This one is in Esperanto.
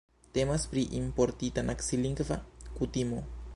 Temas pri importita nacilingva kutimo.